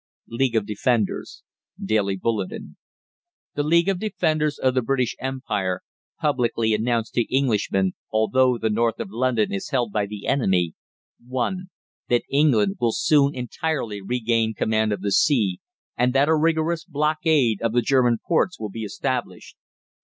LEAGUE OF DEFENDERS DAILY BULLETIN The League of Defenders of the British Empire publicly announce to Englishmen, although the North of London is held by the enemy: (1) That England will soon entirely regain command of the sea, and that a rigorous blockade of the German ports will be established.